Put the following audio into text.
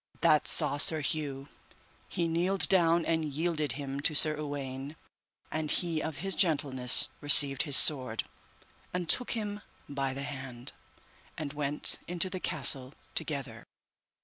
That saw Sir Hue: he kneeled down and yielded him to Sir Uwaine. And he of his gentleness received his sword, and took him by the hand, and went into the castle together.